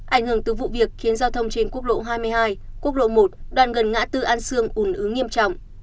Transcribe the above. ảnh hưởng từ vụ việc khiến giao thông trên quốc lộ hai mươi hai quốc lộ một đoạn gần ngã tư an sương ủn ứ nghiêm trọng